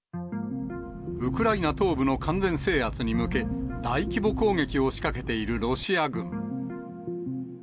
ウクライナ東部の完全制圧に向け、大規模攻撃を仕掛けているロシア軍。